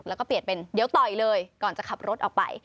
แล้วก็เปลี่ยนเป็นเดี๋ยวต่อยเลยก่อนจะขับรถออกไป